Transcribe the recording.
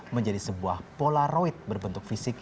menjadi sebuah polaroid berbentuk fisik